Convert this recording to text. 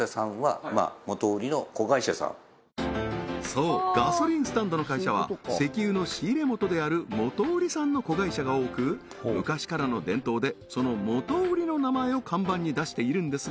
そうガソリンスタンドの会社は石油の仕入れ元である元売りさんの子会社が多く昔からの伝統でその元売りの名前を看板に出しているんですが